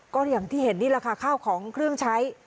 ก็อย่างที่เห็นนี่แหละค่ะข้าวของเครื่องใช้